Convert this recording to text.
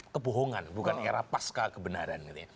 kebohongan bukan era pasca kebenaran